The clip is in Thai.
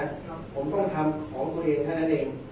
ผมต้องทำของตัวเองเท่านั้นเอง